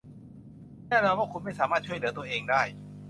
แน่นอนว่าคุณไม่สามารถช่วยเหลือตัวเองได้